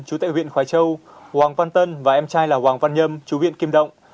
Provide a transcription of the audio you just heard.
chú tại huyện khói châu hoàng văn tân và em trai là hoàng văn nhâm chú viện kim động